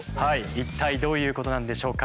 一体どういうことなんでしょうか。